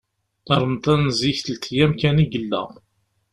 Ṛemḍan zik telt yam kan i yella.